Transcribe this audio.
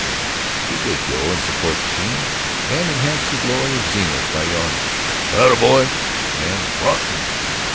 He did go and support the team, and enhance the glory of Zenith, by yelling "Attaboy!" and "Rotten!"